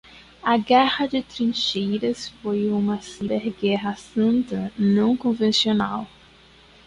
A guerra de trincheiras foi uma ciberguerra santa não convencional